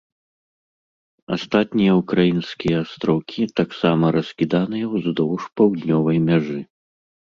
Астатнія ўкраінскія астраўкі таксама раскіданыя ўздоўж паўднёвай мяжы.